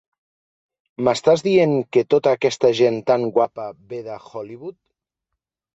M'estàs dient que tota aquesta gent tan guapa ve de Hollywood?